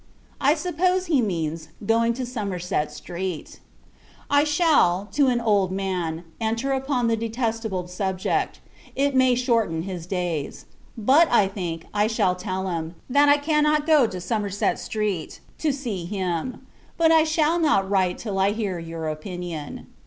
I suppose, he means, going to Somerset Street. Shall I, to an old man, enter upon the detestable subject; it may shorten his days. But, I think, I shall tell him, that I cannot go to Somerset Street, to see him. But, I shall not write till I hear your opinion.